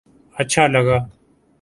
اچھا لگا